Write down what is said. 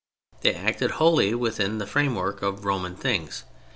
They acted wholly within the framework of Roman things.